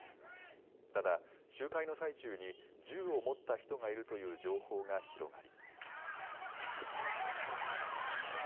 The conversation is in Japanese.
ただ、集会の最中に、銃を持った人がいるという情報が広がり。